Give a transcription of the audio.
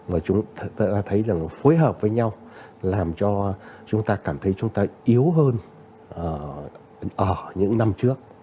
và chúng ta đã thấy rằng phối hợp với nhau làm cho chúng ta cảm thấy chúng ta yếu hơn ở những năm trước